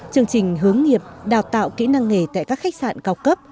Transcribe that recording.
chương trình hướng nghiệp đào tạo kỹ năng nghề tại các khách sạn cao cấp